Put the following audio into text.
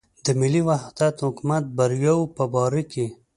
د ملي وحدت حکومت بریاوو په باره کې.